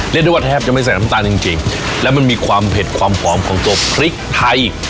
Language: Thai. เรียกได้ว่าแทบจะไม่ใส่น้ำตาลจริงจริงแล้วมันมีความเผ็ดความหอมของตัวพริกไทย